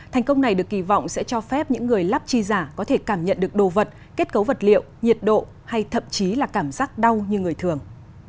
thành công này được kỳ vọng sẽ cho phép những người lắp chi giả có thể cảm nhận được đồ vật kết cấu vật liệu nhiệt độ hay thậm chí là cảm giác đau như người thường